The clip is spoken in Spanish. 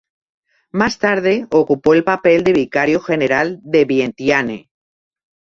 Más tarde ocupó el papel de vicario general de Vientiane.